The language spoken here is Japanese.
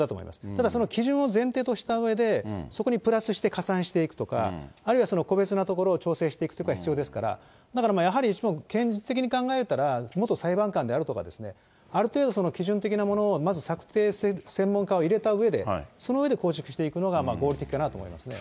ただ、その基準を前提としたうえで、そこにプラスして加算していくとか、あるいは個別なところを調整していくことは必要ですから、だからやはり現実的に考えたら、元裁判官であるとか、ある程度、基準的なものをまず策定する専門家を入れたうえで、その上で交渉していくのが合理的かなと思いますね。